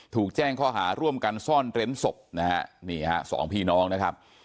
ถูกแจ้งข้อหาร่วมกันซ่อนเร้นศพนะฮะนี่ฮะสองพี่น้องนะครับ